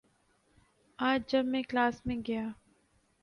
آج جب میں کلاس میں گیا